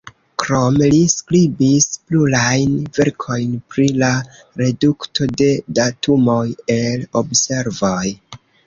Krome, li skribis plurajn verkojn pri la redukto de datumoj el observoj.